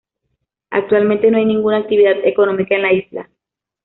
Actualmente, no hay ninguna actividad económica en la isla.